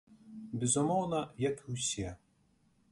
Безумоўна, як і ўсе.